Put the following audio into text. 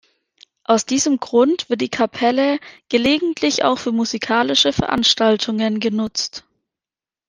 Aus diesem Grund wird die "Kapelle" gelegentlich auch für musikalische Veranstaltungen genutzt.